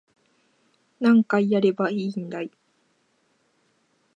何回やればいいんだい